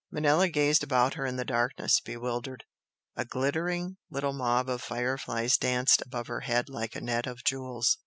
Manella gazed about her in the darkness, bewildered. A glittering little mob of fire flies danced above her head like a net of jewels.